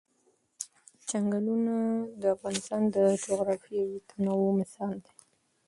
چنګلونه د افغانستان د جغرافیوي تنوع مثال دی.